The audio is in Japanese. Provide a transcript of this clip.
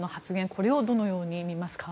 これをどのように見ますか？